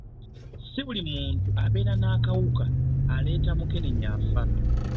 si buli muntu abeera n'akawuka aleeta mukenenya afa.